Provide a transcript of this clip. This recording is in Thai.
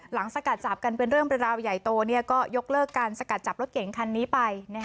สกัดจับกันเป็นเรื่องเป็นราวใหญ่โตก็ยกเลิกการสกัดจับรถเก่งคันนี้ไป